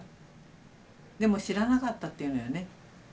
でも知らなかったっていうのよね。